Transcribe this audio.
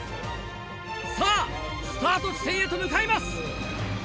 さぁスタート地点へと向かいます！